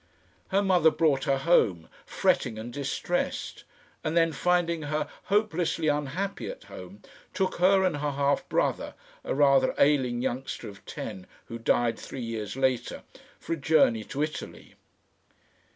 Her mother brought her home, fretting and distressed, and then finding her hopelessly unhappy at home, took her and her half brother, a rather ailing youngster of ten who died three years later, for a journey to Italy.